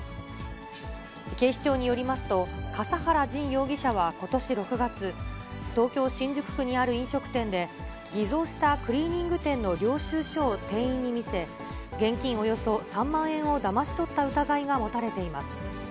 警視庁によりますと、笠原仁容疑者はことし６月、東京・新宿区にある飲食店で、偽造したクリーニング店の領収書を店員に見せ、現金およそ３万円をだまし取った疑いが持たれています。